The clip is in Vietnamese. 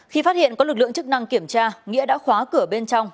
khi phát hiện có lực lượng chức năng kiểm tra nghĩa đã khóa cửa bên trong